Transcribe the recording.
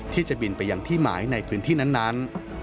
ที่จะบินไปอย่างที่หมายในพื้นที่นั้น